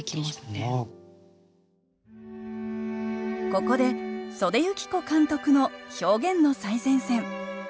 ここで岨手由貴子監督の「表現の最前線」。